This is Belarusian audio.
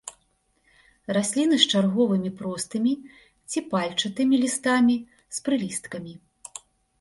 Расліны з чарговымі простымі ці пальчатымі лістамі з прылісткамі.